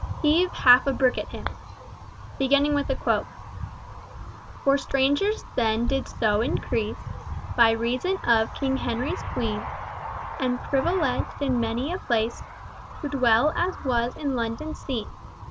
HEAVE HALF A BRICK AT HIM "For strangers then did so increase, By reason of King Henry's queen, And privileged in many a place To dwell, as was in London seen.